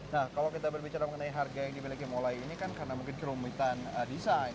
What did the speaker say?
nah kalau kita berbicara mengenai harga yang dimiliki molai ini kan karena mungkin kerumitan desain